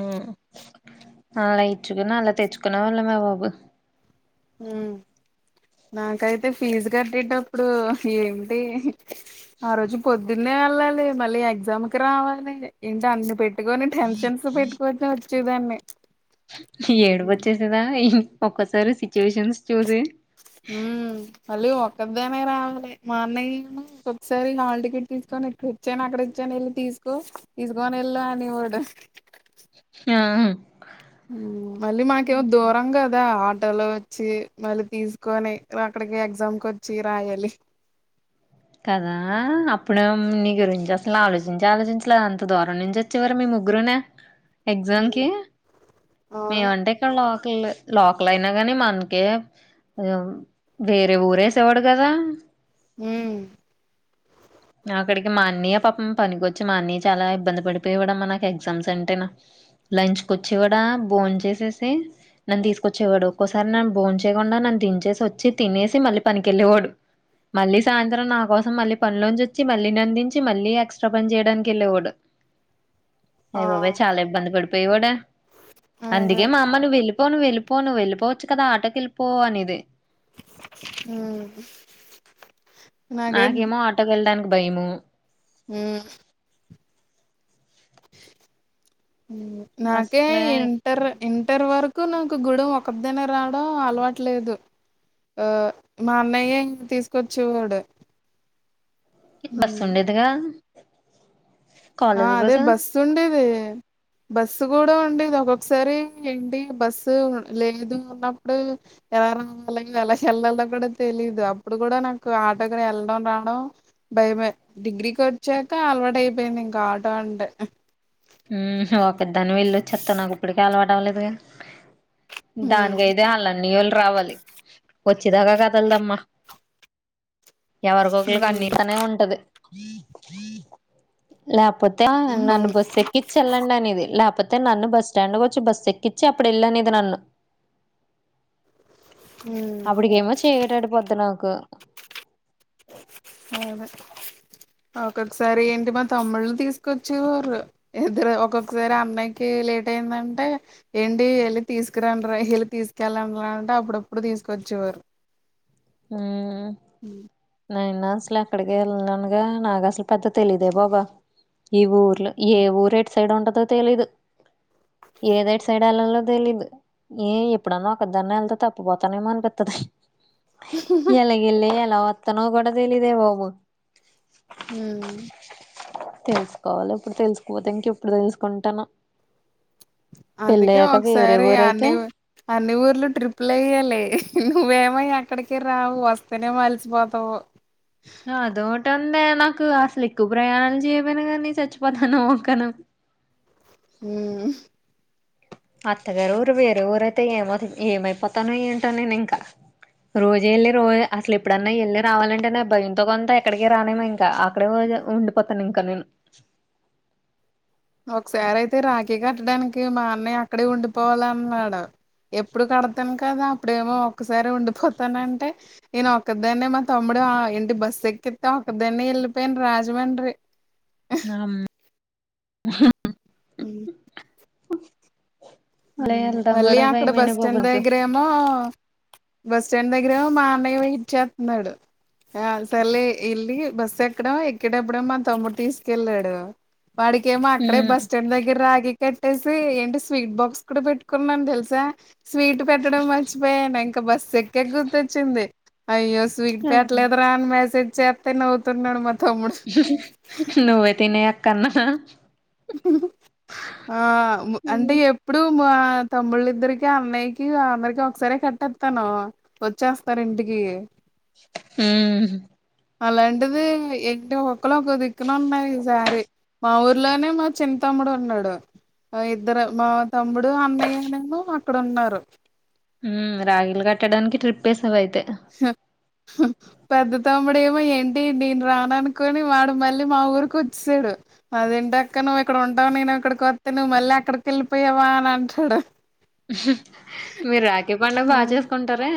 ఆ అలా ఇచ్చుకుని అల తెేచ్చుకొనే వాళ్ళమే బాబు ఊ నాకైతే ఫీజు కట్టేటప్పుడు ఏంటి ఆ రోజు పొద్దున్నే ఎళ్ళాలి మళ్ళీ ఎగ్జామ్ కి రావాలి ఇంట అన్ని పెట్టుకొని టెన్షన్స్ పెట్టుకొచ్చ వచ్చేదాన్ని ఏడుపు వచ్చేసేదా ఈహుమ్ ఒక్కోసారి సిచ్యువేషన్స్ చూసి ఊ మల్లి ఒక్ ఒకదాన్నే రావాలి మా అన్నయ్య ఒక్ సారి హాల్ టికెట్ తీసుకొని ఇకడిచ్చేనా అకడిచ్చేనా వెళ్ళి తీస్ కో తీసుకొని వెళ్ళు అనేవాడు ఆం మళ్ళీ మాకేమో దూరం కదా ట్టలో వచ్చి మల్లి తీసుకొని అక్కడికి ఎగ్జామ్ కి వచ్చి రాయాలి కదా అప్పుడు నీ గురించి అసలు ఆలోచించి ఆలోచించలేదు అంత దూరం నుంచి వచ్చేవారు మేము ముగ్గురునే ఎగ్జామ్ ఉమ్ కి అవును మేమంటే ఇక్కడ లో కెల్ లోకలయినా గానీ మనకే వేరే ఊరేసేవాడు గదా ఊ నాకడికి మా అన్నయ్య పాపం పనికొచ్చి మా అన్నయ్య చాలా ఇబ్బంది పడిపోయేవాడమ్మ నాకు ఎగ్జామ్స్ అంటేను లంచ్ కు వచ్చేవాడా బోన్ చేసేసి నన్ను తీసుకొచ్చేవాడు ఒక్కోసారి నన్ను బోన్ చేయకుండా నను దించేసి వచ్చి తినేసి మళ్ళీ పనికెళ్ళేవాడు మళ్ళీ సాయంత్రం నా కోసం మళ్ళీ పనిలోంచి వ వచ్చి మళ్ళీ నను దించి మళ్ళీ ఎక్స్ట్రా పని చేయడానికి ఎళ్ళేవాడు అయ ఆ బాబాయ్ చాలా ఇబ్బంది పడిపోయేవాడా అదే అందుకే మా అమ్మ నువ్వు వెళ్ పో నువెళ్ళిపో నువెళ్ళిపోవచ్చు కదా ఆటో కి వెళ్ళిపో అనేది ఊ నాకేమో ఆటోకెళ్ళడానికి భయము ఉమ్ ఉమ్ నాకే అసలే ఇంటర్ ఇంటర్ వరకు నాక్ కూడా ఒకదాన్నే రావడం అలవాట్లేదు ఆ మా అన్నయ్యే ఇంటికి తీసుకొచ్చేవాడు మిక్ బస్సు మ్మ్ ఉండేదిగా ఆ అదే బస్సు ఉండేది బస్సు కూడా ఉండేది ఒక్కొక్కసారి ఏంటి ఈ బస్సు లేట్ ఉన్నపుడు దారం అలాగే అలా వేళ్ళలో కూడా తెలీదు అప్పుడు కూడా నాకు ఆటోకి వెళ్ళడం రావడం భయమే డిగ్రీకి వచ్చాక అలవాటు అయిపోయింది ఇంకా ఆటో అంటే ఊ నువు ఒకద్దానివే వెళ్లొచ్చేత్తావ్ నాకు ఇప్పుడుకి అలవాటవలేదుగా మ్మ్ దానికైతే అలా అన్నయోళ్ళు రావాలి వచ్చేదాకా కదలదమ్మా ఎవరికొకలికి అన్ని తనే ఉంటది లేకపో తే మ్మ్ నన్ను అవును బస్ ఎక్ చి వేళ్ళండి అనేది లేపోతే నన్ను బస్ స్టాండ్ కొచ్చి బస్ ఎక్కిచ్ అప్పుడు వెళ్ళు అనేది నన్ను ఉమ్ అప్పుడికేమో చీకటడిపోద్ది నాకు ఉహ్మ్ ఒక్కొక్కసారి ఏంటి మా తమ్ముళ్ళు తీసుకొచ్చే వోరు ఇద్దరు ఒక్కొక్కసారి అన్నయ్యకి లే ఇదేందంటే ఏండి వెళ్ళి తీసుకురండ్ర వెళ్ళి తీసుకెల్లాండ్రా అంటే అప్పుడప్పుడు తీసుకొచ్చేవారు ఉమ్ నైనా అసలు అక్కడికి వెళ్ళనుగా నాకు అసలు పెద్ద తెలిదే బాబా ఇవ్ ఏ ఊరు ఎట్ సైడ్ ఉంటదో తెలీదు ఏదెటుసైడ్ ఎళ్ళాలో తెలీదు ఏ ఎప్పుడన్నా ఒకదాన్నే ఎళ్తే తప్పిపోతానేమో అనిపిత్తది ఎలాగెల్లి ఎలా వత్తానో కూడి తెలిదే బాబు ఉమ్ తెలుసుకోవాలి ఇప్పుడు తెలుసుపోతే ఇంకెప్పుడు తెలుసుకుంటానో అందుకే పెళ్ళయ్యాక వేరే ఒకసారి అన్ని ఊరైతే అన్ని ఊర్లు ట్రిప్పులు ఎయ్యాలి నువ్వేమొ ఎక్కడికి రావు వస్తేనే అలిసిపోతావు అదోకటుందే నాకు అసలు ఎక్కువ ప్రయాణాలు చేయపోయినా కానీ చచ్చిపోతాను ఓక్కను ఉమ్ అత్తగారు ఊరు వేరే ఊరయితే ఏమో ఏమైపోతానో ఏంటో నేను ఇంకా రోజు వెళ్ళి రోజ అసలు ఏప్పుడన్నా వెళ్ళి రావాలంటే నా భయంతో కొంత ఎక్కడికి రాలేను ఇంకా అక్కడే రోజు ఉండిపోతాను ఇంకా నేను ఒకసారి అయితే రాఖీ కట్టడానికి మా అన్నయ్య అక్కడే ఉండిపోవాల అన్నాడు ఎప్పుడు కడతాను కదా అప్పుడేమో ఒక్కసారి ఉండిపోతానంటే నేను ఒక్కదాన్నే మా తమ్ముడు ఏంటి బస్ ఎక్కితే ఒక్కదానే వెళ్ళిపోయాను రాజమండ్రి ఆమ్ ఊ అలా వెళ్దాం మళ్ళీ కూడా అక్కడ భయమేనే బస్ బాబు స్టాండ్ నాకు దగ్గరేమో బస్ స్టాండ్ దగ్గరేమో మా అన్నయ్య వెయిట్ చేత్తన్నాడు ఆ సర్లే వెళ్ళి బస్సు ఎక్కడం ఎక్కేటప్పుడేమొ మా తమ్ముడు తీసుకెళ్ళాడు వాడికేమో అక్కడే బస్టాండ్ దగ్గర రాఖి కట్టేసి ఏంటి స్వీట్ బాక్స్ ఎక్కడ పెట్టుకున్నాను తెలుసా స్వీట్ పెట్టడం మర్చిపోయాను ఇంకా బస్సు ఎక్కేక గుర్తొచ్చింది అయ్యో స్వీట్ పెట్టలేదురా అని మెసేజ్ చేత్తే నవ్వుతున్నాడు మ నువ్వే తినే అక్క అన్న ఆ ము అంటే ఎప్పుడు మా తమ్ముళ్ళిద్దరికి అన్నయ్యకి అందరికి ఒకసారే కట్టేత్తను వచ్చేస్తారు ఇంటికి కి ఊ అలాంటిది ఏంటి ఒకళు ఒక దిక్కున ఉన్నాయి ఈసారి మా ఊర్లోనే మా చిన్ తమ్ముడు ఉన్నాడు ఇద్దరు మా తమ్ముడు అన్నయ్యను అక్కడ ఉన్నారు ఊమ్ రాఖీలు కట్టడానికి ట్రిప్ వేసావు అయితే పెద్ద తమ్ముడు ఏమో ఏంటి నేను రాననుకుని వాడు మళ్ళీ మా ఊరికి వచ్చేసాడు అదేంటక్క నువ్వు ఇక్కడ ఉంటావు నేను అక్కడికి వత్తే నువ్వు మళ్ళీ అక్కడికి వెళ్ళిపోయావా అని అంటాడు మీరు రాఖీ పండగ బాగా హ్మ్. చేసుకుంటారే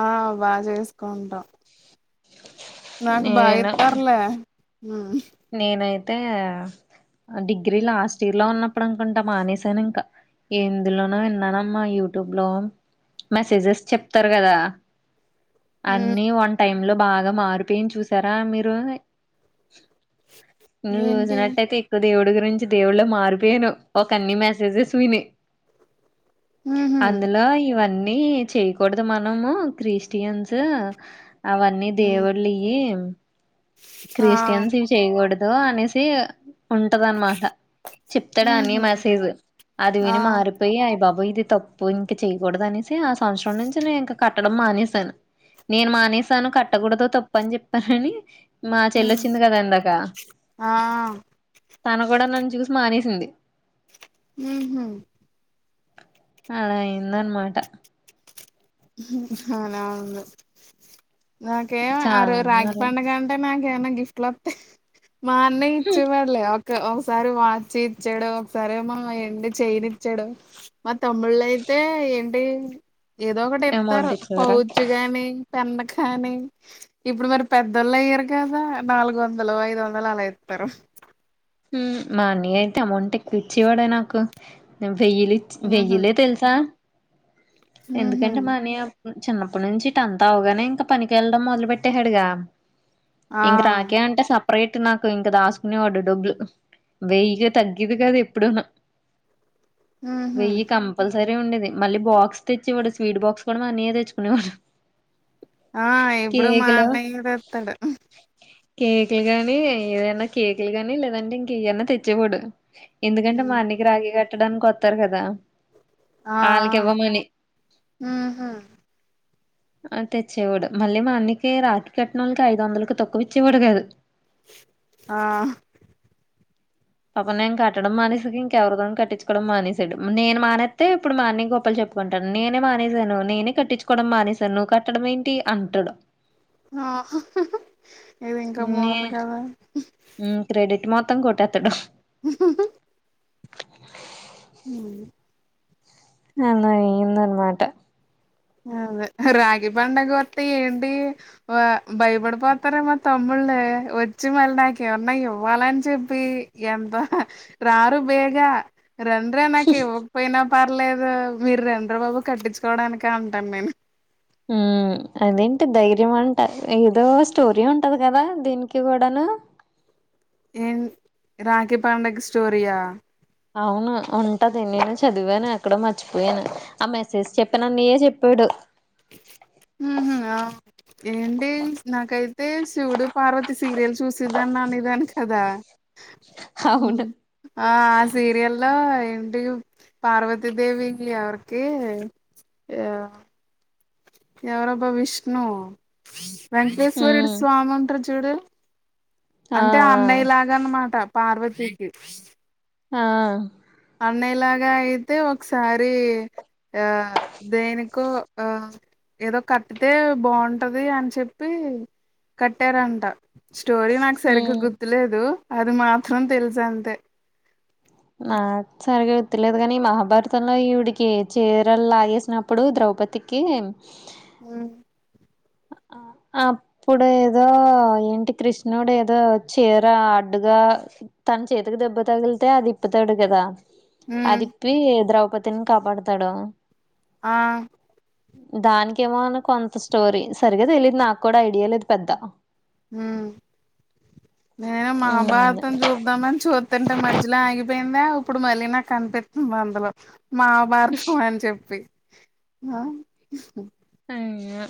ఆ బా చేసుకుంటాం నాకు బాగా నేను ఇత్తార్లే నేనైతే డిగ్రీ లాస్ట్ ఇయర్ లో ఉన్నప్పుడు అనుకుంటా మానేశాను ఇంక ఎందులోనో ఇన్నానమ్మా యూట్యూబ్ లో మెసేజెస్ చెప్తారు కదా ఉమ్ అన్ని వన్ టైమ్ లో బాగా మారిపోయి చూసారా మీరు నువు ఏంటి చూసినట్టయితే ఇకు దేవుడి గురించి దేవులో మారిపోయాను ఒక అన్ని మెసేజెస్ విని ఉహు అందులో ఇవన్ నీ చేయకూడదు మనము క్రీస్టియన్సూ అవన్నీ ఉమ్ దేవుళ్ళు య్యి ఆ క్రీస్టియన్స్ ఇవి చేయకూడదు అనేసి ఉంటదన్నమాట చెప్తాడు అన్ని ఉహు మెసేజ్ అది ఆ విని మారిపోయి అయి బా ఇది తప్పు ఇంక చెయకూడదు అనేసి ఆ సంవత్సరం నుంచి నేను ఇంక క కట్టడం మానేశాను నేను మానేశాను కట్టకూడతో తప్పు అని చెప్పానని మా ఉమ్ చెల్లొచ్చింది కదా ఇందాక ఆ తను కూడా నన్ను చూసి మానేసింది ఉహు అలా ఐందనమాట అవునా ఉండు నాకేం ఆ చాలా రోజు రాఖీ మరి పండుగ అంటే నాక్ కె అన్న గిఫ్ట్లోత్తాయ్ మా అన్నయ్య ఇచ్చేవాడ్ లే ఒకసారి వాచ్ ఇచ్చాడు ఒకసారేమో ఎండి చైన్ ఇచ్చాడు మా తముళ్ళయితే ఏంటి ఏదో ఒకటి అమౌంట్ ఇత్తారు ఇచ్చేవారా పౌచ్ గాని పెండ కాని ఇప్పుడు మరి పెద్దోళ్ళు అయ్యారు కదా నాలుగు వందలు ఐదు వందలు అల ఇత్ తరు మా అన్నయ్య అయితే అమౌట్ ఎక్కువ ఇచ్చేవాడే నాకు వెయ్యిలిచ్ ఉహు వెయ్యిలే తెలుసా ఉహు ఎందుకంటే మా అన్నయ్య చిన్నప్పటి నుంచి ఇట అంతా అవుగానే ఇంకా పనికి వెళ్ళడం మొదలు పెట్టేసాడుగా ఆ ఇంక రాఖీ అంటే సపరేట్ నాకు ఇంకా దాసుకునేవాడు డబ్బులు వెయ్యికి తగ్గిదు కాదు ఎప్పుడును ఉహు వెయ్యి కంపల్స ఉండేది మళ్ళీ బాక్స్ తెచ్చివాడు స్వీట్ బాక్స్ కూడా మా అన్నయే తెచ్చుకునేవాడు ఆ ఇప్పుడు మా కేకులు అన్నయ్య వస్తాడు కేకులు గానీ ఏదనా కేకులు గానీ లేదంటే ఇంక ఏవన్నా తెచ్చేవడు ఎందుకంటే మా అన్నకి రాగి కట్టడానికి వస్తారు కదా ఆ ఆళ్ళకి ఇవ్వమని ఉహ్ తెచ్చేవాడు మళ్ళీ మా అన్నికి రాఖీ కట్నాలకి ఐదు వందలకు తక్కు ఇచ్చేవాడు కాదు ఆ పప నేను కట్టడం మానేసిడు ఇంకెవరుదో కట్టించకోడం మానేసాడు నేను మానేస్తతే ఇప్పుడు మార్ని గోపాల్ చెట్ చెప్పుకుంటాను నేనే మానేసాను నేనే కట్టించుకోవడం మానేశాను నువ్వు కట్టడం ఏంటి అంటాడు ఆ ఇది ఇంకా మన్ కదా ఉ క్రెడిట్ మొత్తం కొట్టేతాడు హ అలా అయింది అనమాట అదే రాగి పండగ వట్ ఏంటి భయపడిపోతార మా తమ్ముళ్ వచ్చి మళ్ళీ నాక ఎమన్నా ఇవ్వాలని చెప్పి ఎంత రారు బేగ రండ్రే నాకు ఇవ్వకపోయినా పర్లేదు మీరు రండ్ర బాబు కట్టించుకోవడానికి ఇగ అంటాను నేను ఉ అదేంటి ధైర్యం అంట ఏదో స్టోరీ ఉంటది కదా దీనికి కూడాను ఏం రాఖీ పండగ స్టోరియా అవును ఉంటది నేను చదివాను అక్కడో మర్చిపోయాను ఆ మెసేజ్ చెప్పాను అన్నయే చెప్పాడు ఉహ్ ఆ ఏంటి నాకైతే శివుడు పార్వతి సీరియల్ చూసిందని అనేదాని కదా ఉ అవును ఆ సీరియల్ లో ఏంటి పార్వతీదేవి ఎవరికి ఆ ఎవరబ్బ విష్ణు వెంకటేశ్వర్డు హ్మ్ స్వామి ఉంటార్ చూడు ఆ అంటే అన్నయ్య లాగా అనమాట పార్వతికి ఆ అన్నలాగా అయితే ఒకసారి ఆ దేనీకో ఆ ఏదో కట్తే బాగుంటది అని చెప్పి కట్టారంట స్టోరీ నాకు సరిగ్గా హ్మ్ గుర్తులేదు అది మాత్రం తెలుసు అంతే ఆ సరిగా గుర్తులేదు కానీ మహాభారతంలో ఈవిడికి చీరలు లాగేసినప్పుడు ద్రౌపథీకి ఉ అప్పుడు ఏదో ఏంటి కృష్ణుడు ఏదో చీర అడ్డుగా తన చేతికి దెబ్బ తగిలితే అది ఇప్పుతాడు కదా ఉమ్ అదిప్పి ద్రౌపథీని కాపాడుతాడు ఆ దానికిమో అన్న కొంత స్టోరీ సరిగా తెలియదు నాకు కూడా ఐడియా లేదు పెద్ద ఉ నేను మహాభారతం చూపుదామని చూద్దంటే మధ్యలో ఆగిపో పోయిందా ఇప్పుడు మళ్ళీ నాకు కనిపిస్తుంది అందులో మాభారతం అని చెప్పి ఆ ఉమా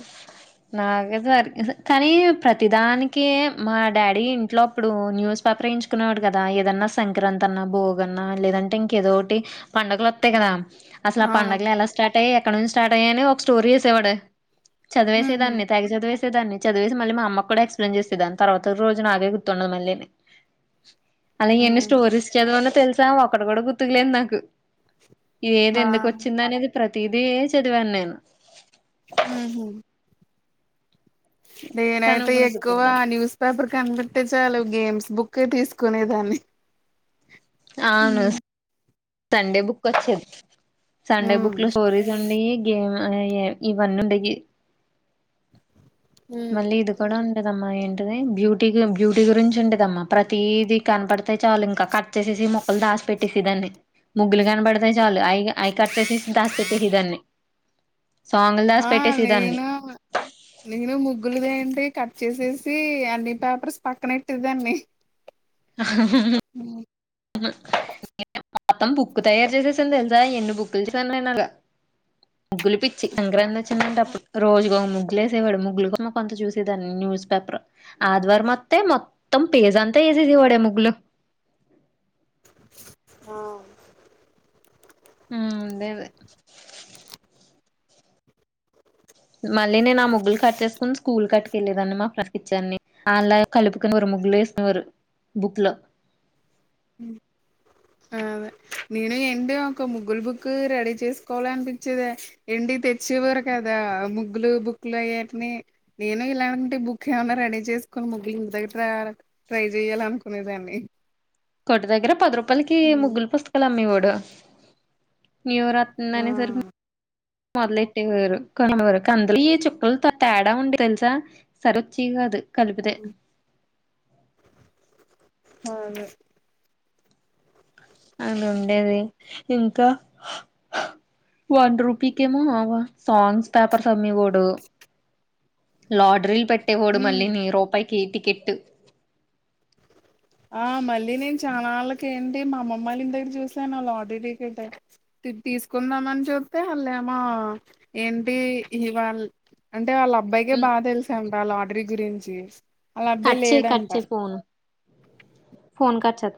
నాకే దారి కాదు కానీ ప్రతిదానికి మా డాడీ ఇంట్లో అప్పుడు న్యూస్ పే ప్రేయించుకున్నావాడు కదా ఏదన్నా సంక్రాంతన్న భోగ అన్నా లేదంటే ఇంకేదోటి పండుగలు వతాయి కదా అసలు ఆ అవును పండుగలు ఎలా స్టార్ట్ అయ్యాయి ఎక్కడ నుంచి స్టార్ట్ అయ్యా అని ఒక స్టోరీ చేసేవాడే ఉహు చదివేసేదాన్ని తేగ చదివేస సే దాన్ని చదివేసి మళ్ళీ మా అమ్మ కూడా ఎక్స్ప్లెయిన్ చేస్తే దాన్ని తర్వాత రోజు నాకే గుర్తుండదు మళ్ళీని అలా ఎన్ని ఉహు స్టోరీస్ చదివానో తెలుసా ఒకటి కూడా గుర్తుకులేదు నాకు ఏది ఆ ఎందుకు వచ్చిందనేది ప్రతిదీ చదివాను నేను ఉహ్మ్ కానీ నేనైతే ఇప్పుడు ఎక్కువ గుర్తుకు రాదు న్యూస్ పేపర్ కనిబేతే చాలు గేమ్స్ బుకే తీసుకునేదాన్ని అవును ఉమ్ సండే బుక్ వచ్చేది సండే బుక్ లో స్టోరీస్ ఉండేయి గేమ్ ఇవన్నీ ఉండేయి ఉమ్ మళ్ళీ ఇది కూడా ఉ డేదమ్మ ఏంటిది బ్యూటీ గేమ్ బ్యూటీ గురించి ఉండేదమ్మా ప్రతీదీ కనపడితే చాలు ఇంకా క చ్చేసేసి ముక్కలు దాసి పెట్టేసి దాన్ని ముగ్గులు కనపడితే చాలు అయి అయి కట్ చేసేసి దాచి పెట్టేసే దాన్ని సాంగ్లు దాసి ఆ పెట్టేసి దాన్ని నేను నేను ము గుళ్ళు ఏంటి కట్ చేసేసి అన్ని పేపర్స్ పక్కన పెట్టే దాన్ని నెన్ మొత్తం బుక్ తయారు చేసేసాను తెలుసా ఎన్ని బుక్లు చేసాను అలాగ ముగ్గులు పిచ్చి సంక్రాంతి వచ్చిందంటేప్పుడు రోజు ఓ ముగ్ ముగ్లేసేవాడు ముగ్గులు కోసం కొంత చూసేదాన్ని న్యూస్ పేపర్ ఆదివారం వత్తే మొత్తం పేజ్ అంతా వేసేసేవాడే ముగ్గులు ఆ ఉమ్ మళ్ళీ నేను ఆ ముగ్గులు కట్ చేసుకుని స్కూల్ కట్టుకెళ్ళలేదాన్ని మా ఫ్రెండ్ కిచేదని అల్లు కలుపుకునివారు ముగ్ వల్లువేసుకునేవారు బుక్లో అదే నేను ఏంటి ఒక ముగులు బుక్ రెడీ చేసుకోవాలనిపించేది ఎంటి తెచే వారు కదా ముగ్గులు బుక్కులు అయ్యని నేను ఇలాంటి బుక్ ఏమైన్నా రెడీ చేసుకొని ముగ్గులు ఇంటి దగ ట్రై చెయ్యాల అనుకునేదాన్ని కొటి దగ్గర పది రూపాయలకి ముగ్గులు పుస్తకాలు అమ్మేవాడు న్యూఇయర్ వతంది ఆ అనేసరికి మొదలెట్టేవారు కొరు కందులు ఈ చుక్కలు పెద్ద తేడా ఉండే తెలుసా సరి వచ్చేయి కాదు కలిపితే అవును అలా ఉండేది ఇంకా వన్ రూపీకేమో సాంగ్స్ పేపర్స్ అమ్మివాడు లాటరీలు పెట్టేవాడు ఉమ్ మళ్ళీనీ రూపాయికి టికెటు ఆ మళ్ళీ నేను చానలకేంటి మా అమ్మమ్మ వాళ్ళ ఇంటి దగ్గర చూసాను ఆ లాడరీ టికెటయినా తీసుకుందామని చుతే వాళ్ళుఏమో ఏంటి ఇవాళ అంటే వాళ్ళ అబ్ బ్బాయికే బా తెలుసంట లాటరీ గురించి వాళ అబ్బాయి కట్ చేయి కట్ లేడంట చేయి ఫోన్ ఫోన్ కట్చే